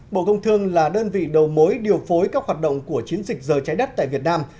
bộ công thương là đơn vị đầu mối điều phối các hoạt động của chiến dịch giờ trái đất tại việt nam